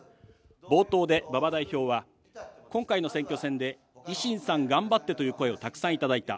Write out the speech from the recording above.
冒頭で馬場代表は、今回の選挙戦で維新さん、頑張ってという声をたくさん頂いた。